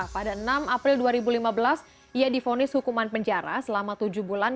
pada enam april dua ribu lima belas ia difonis hukuman penjara selama tujuh bulan